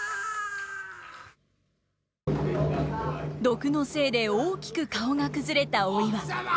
毒のせいで大きく顔が崩れたお岩。